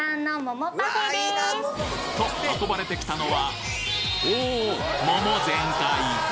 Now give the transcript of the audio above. と運ばれてきたのはおお桃全開！